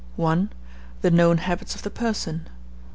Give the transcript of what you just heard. The known habits of the person.